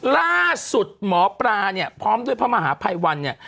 ล่าสุดหมอปลาเนี่ยพร้อมด้วยพระมหาภัยวันเนี่ย